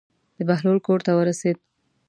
د بهلول کور ته ورسېد.